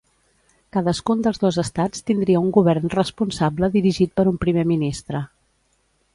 Cadascun dels dos estats tindria un govern responsable dirigit per un primer ministre.